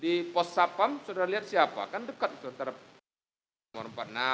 di pos sapam sudah lihat siapa kan dekat itu antara nomor empat puluh enam